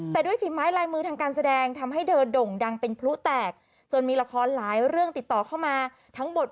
แต่ด้วยฝีไม้ลายมือทางการแสดงทำให้เธอโด่งดังเป็นพลุแตกจนมีละครหลายเรื่องติดต่อเข้ามาทั้งหมด